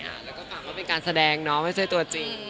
แล้วก็ฝากว่าเป็นการแสดงเนาะไม่ใช่ตัวจริง